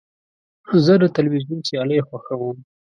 زه د تلویزیون سیالۍ خوښوم.